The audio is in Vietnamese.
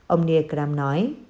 ông nghệ cram nói